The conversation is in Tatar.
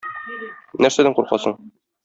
Нәрсәдән куркасың?